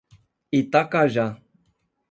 Itacajá